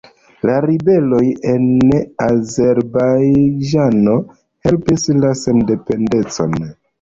La ribeloj en Azerbajĝano helpis la sendependecon.